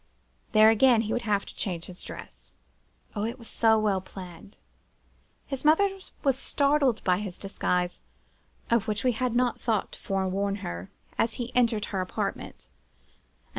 There again he would have to change his dress. Oh, it was so well planned! His mother was startled by his disguise (of which we had not thought to forewarn her) as he entered her apartment.